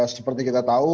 seperti kita tahu